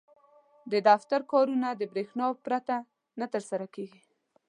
• د دفتر کارونه د برېښنا پرته نه ترسره کېږي.